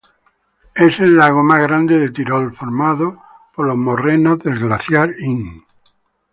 Es el lago más grande de Tirol, formado por las morrenas del glaciar Inn.